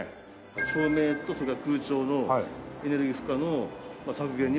照明とそれから空調のエネルギー負荷の削減にも繋がる。